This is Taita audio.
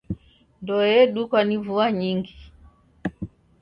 Ndoe edukwa ni vua nyingi.